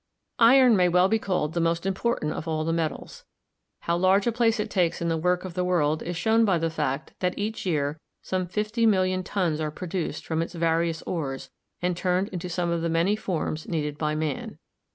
268 GEOLOGY Iron may well be called the most important of all the metals. How large a place it takes in the work of the world is shown by the fact that each year some 50,000,000 tons are produced from its various ores and turned into some of the many forms needed by man.